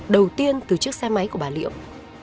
đầu tiên từ chiếc xe máy của bà liễu